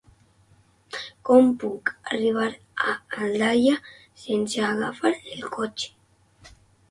Com puc arribar a Aldaia sense agafar el cotxe?